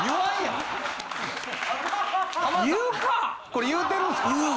これ言うてるんすか？